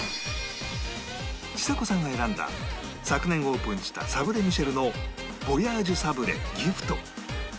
ちさ子さんが選んだ昨年オープンしたサブレミシェルのヴォヤージュサブレギフト